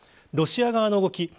ロシア側の動き